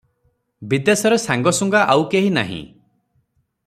ବିଦେଶରେ ସାଙ୍ଗସୁଙ୍ଗା ଆଉ, କେହି ନାହିଁ ।